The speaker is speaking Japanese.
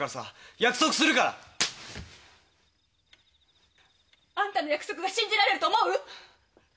約束するから！あんたの約束が信じられると思う？